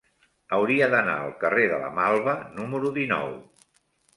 Hauria d'anar al carrer de la Malva número dinou.